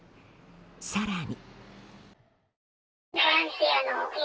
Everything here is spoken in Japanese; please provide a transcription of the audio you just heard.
更に。